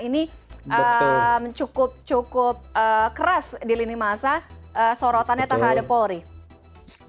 ini cukup cukup keras di lini masa sorotannya terhadap polri